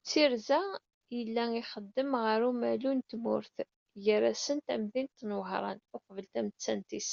D tirza i yella ixeddem ɣer umalu n tmurt, gar-asen tamdint n Wehran uqbel tamettant-is.